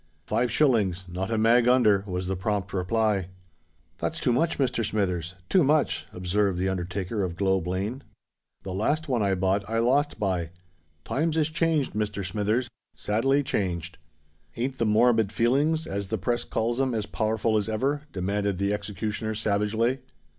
"Five shillings—not a mag under," was the prompt reply. "That's too much, Mr. Smithers—too much," observed the undertaker of Globe Lane. "The last one I bought I lost by: times is changed, Mr. Smithers—sadly changed." "Ain't the morbid feelings, as the press calls 'em, as powerful as ever?" demanded the executioner savagely.